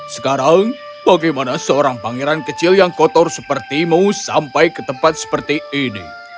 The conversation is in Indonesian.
sekarang bagaimana seorang pangeran kecil yang kotor sepertimu sampai ke tempat seperti ini